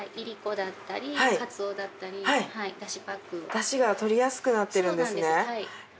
出汁がとりやすくなってるんですね。